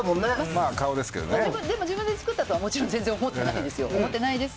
自分で作ったとは思ってないですよ。